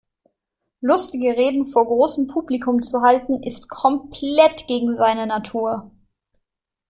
Lustige Reden vor großem Publikum zu halten, ist komplett gegen seine Natur.